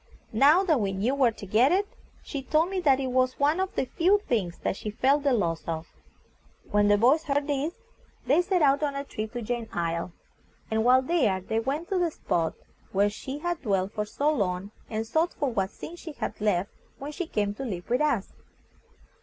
Now that we knew where to get it, she told me that it was one of the few things that she felt the loss of. When the boys heard this, they set out on a trip to Jane's Isle, and while there they went to the spot where she had dwelt for so long, and sought for what things she had left when she came to live with us.